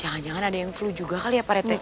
jangan jangan ada yang flu juga kali ya pak red ya